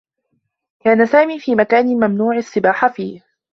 كان سامي في مكان ممنوع السّباحة فيه.